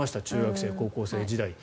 中学生、高校生時代。